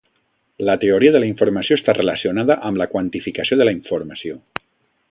La teoria de la informació està relacionada amb la quantificació de la informació.